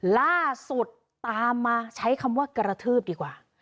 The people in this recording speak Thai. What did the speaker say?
ล่าสุดตามมาใช้คำว่ากระทืบดีกว่า